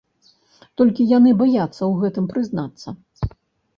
Толькі яны баяцца ў гэтым прызнацца.